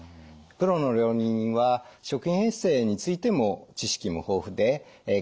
プロの料理人は食品衛生についても知識も豊富で経験も豊富です。